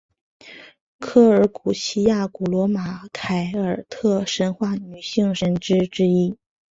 柏尔古希亚古罗马凯尔特神话女性神只之一。